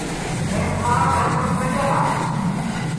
میں سارا گھرا چمکائیاڑا